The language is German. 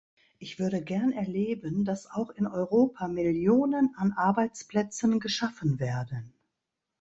Ich würde gern erleben, dass auch in Europa Millionen an Arbeitsplätzen geschaffen werden.